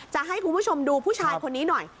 จะให้คุณผู้ชมดูผู้ชายคนนี้หน่อย